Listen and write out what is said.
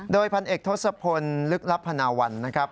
โดยพันเอกทศพลลึกลับพนาวันนะครับ